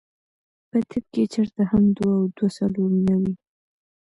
پۀ طب کښې چرته هم دوه او دوه څلور نۀ وي -